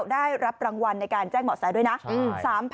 ได้รับรางวัลในการแจ้งเหมาะแสด้วยนะ